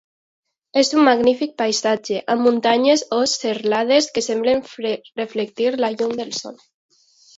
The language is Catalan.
És un magnífic paisatge, amb muntanyes o serralades que semblen reflectir la llum del sol.